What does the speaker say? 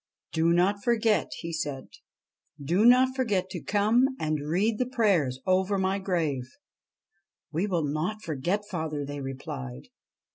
' Do not forget,' he said ' do not forget to come and read the prayers over my grave.' ' We will not forget, father,' they replied.